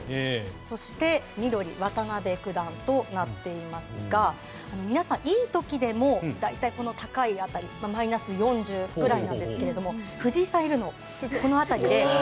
そして、緑は渡辺九段となっていますが皆さん、いい時でも大体、高い辺りマイナス４０ぐらいなんですが藤井さんがいるのは、この辺り。